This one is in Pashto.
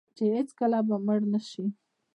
چې هیڅکله به مړ نشي.